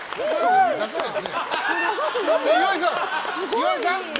岩井さん？